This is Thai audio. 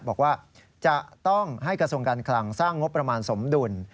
บอกว่าจะต้องให้กระทรวงการคลังสร้างงบประมาณสมดุล